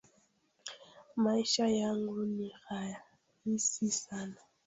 Maisha yangu ni rahisi sana